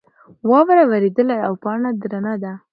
واوره ورېدلې ده او پاڼه درنه ده.